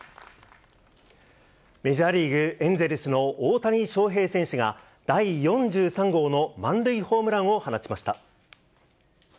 メジャーリーグ・エンゼルスの大谷翔平選手が、第４３号の満塁ホームランを放ちました。